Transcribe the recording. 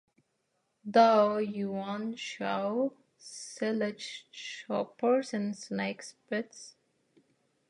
Dao-yuan Chou: Silage Choppers and Snake Spirits.